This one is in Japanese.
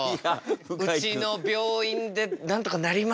うちの病院でなんとかなりますかね？